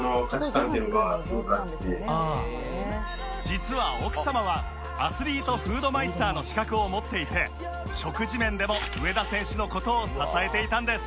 実は奥様はアスリートフードマイスターの資格を持っていて食事面でも上田選手の事を支えていたんです